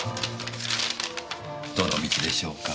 どの道でしょうか？